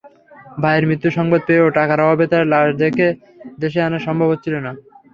ভাইয়ের মৃত্যুসংবাদ পেয়েও টাকার অভাবে তাঁর লাশ দেশে আনা সম্ভব হচ্ছিল না।